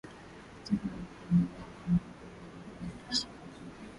Jacob alipoendelea kumuhoji alikuwa akiishiwa nguvu